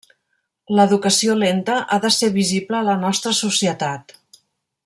L'educació lenta ha de ser visible a la nostra societat.